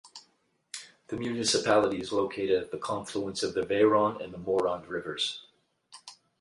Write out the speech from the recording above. The municipality is located at the confluence of the Veyron and the Morand rivers.